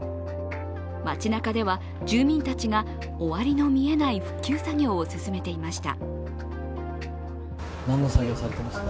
町なかでは住民たちが終わりの見えない復旧作業を進めていました。